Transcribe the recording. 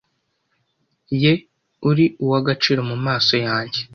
Ye uri uw agaciro mu maso yanjye